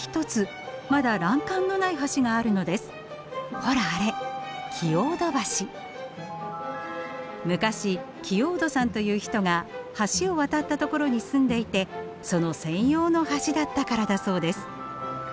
ほらあれ昔キオードさんという人が橋を渡ったところに住んでいてその専用の橋だったからだそうです。